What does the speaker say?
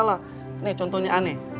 ini contohnya aneh